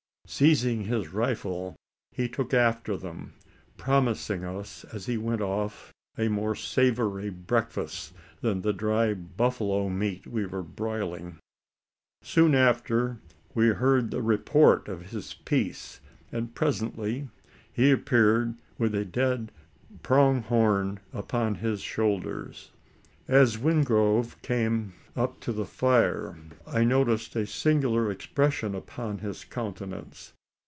Seizing his rifle, he took after them promising us as he went off a more savoury breakfast than the dry buffalo meat we were broiling. Soon after, we heard the report of his piece; and, presently, he re appeared with a dead "prong horn" upon his shoulders. As Wingrove came up to the fire, I noticed a singular expression upon his countenance.